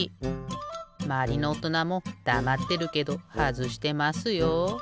まわりのおとなもだまってるけどはずしてますよ。